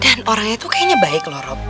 dan orangnya tuh kayaknya baik lho rob